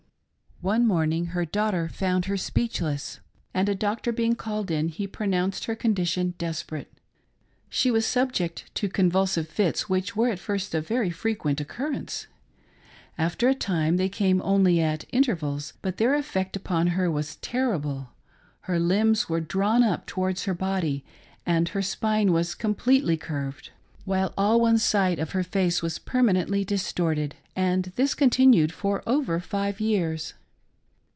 One morning her daughter found her speechless, and a doctor being called in, he pro nounced her condition desperate. She was subject to con vulsive fits which were at first of very frequent occurrence. After a time they came only at intervals, but their effect upon her was terrible ; her limbs were drawn up towards her body and her spine was completely curved, while all one side of her 80 PROOFS OF AUTHORITY. face was permanently distorted ;— and this continued for over five years.